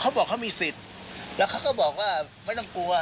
เขาบอกเขามีสิทธิ์แล้วเขาก็บอกว่าไม่ต้องกลัว